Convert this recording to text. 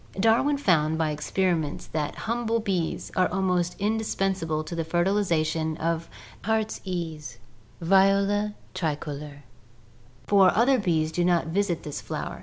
Darwin found by experiments that humble bees are almost indispensable to the fertilization of the heartsease (Viola tricolor), for other bees do not visit this flower.